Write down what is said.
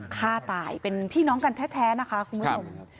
ฆ่าตายเป็นพี่น้องกันแท้นะคะคุณผู้ชม